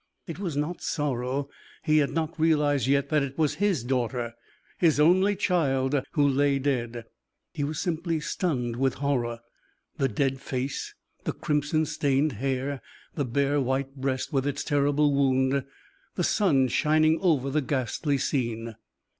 It was not sorrow he had not realized yet that it was his daughter, his only child who lay dead he was simply stunned with horror. The dead face, the crimson stained hair, the bare white breast with its terrible wound, the sun shining over the ghastly scene.